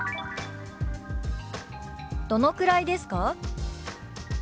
「どのくらいですか？」。